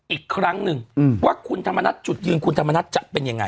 อีกครั้งหนึ่งว่าคุณธรรมนัฐจุดยืนคุณธรรมนัฐจะเป็นยังไง